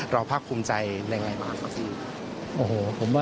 เราง่ายมาก